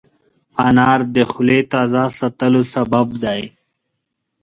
انار د خولې تازه ساتلو سبب دی.